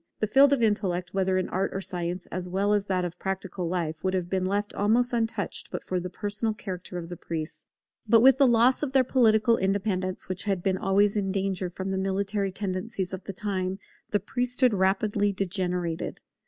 The field of intellect, whether in art or science, as well as that of practical life, would have been left almost untouched but for the personal character of the priests. But with the loss of their political independence, which had been always in danger from the military tendencies of the time, the priesthood rapidly degenerated.